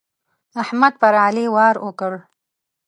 احمد پر علي وار وکړ.